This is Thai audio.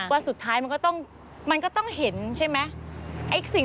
วันสุดท้ายมันก็ต้องเห็นใช่ไหม